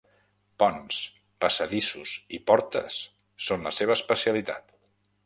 Ponts, passadissos i portes són la seva especialitat.